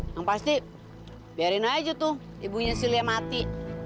yang pasti biarin aja tuh ibunya si lia mati